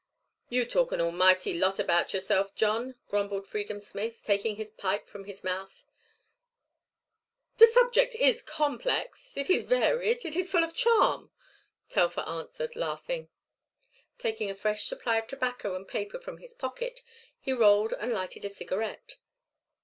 "You talk an almighty lot about yourself, John," grumbled Freedom Smith, taking his pipe from his mouth. "The subject is complex, it is varied, it is full of charm," Telfer answered, laughing. Taking a fresh supply of tobacco and paper from his pocket, he rolled and lighted a cigarette.